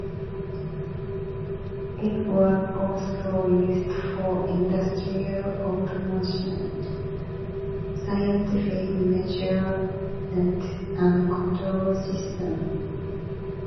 It was also used for industrial automation, scientific measurement and control systems.